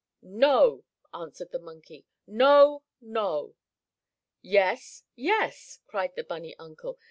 "No!" answered the monkey. "No! No!" "Yes! Yes!" cried the bunny uncle.